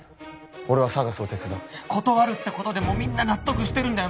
俺はＳＡＧＡＳを手伝う断るってことでもうみんな納得してるんだよ